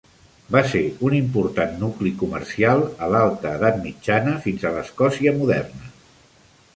Va ser un important nucli comercial a l'Alta Edat Mitjana fins a l'Escòcia moderna.